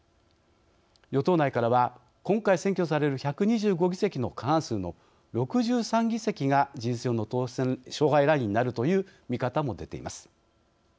与党内からは今回選挙される１２５議席の過半数の６３議席が事実上の勝敗ラインになるという見方も出ています。